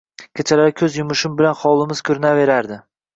Kechalari ko‘z yumishim bilan hovlimiz ko‘rinaverardi.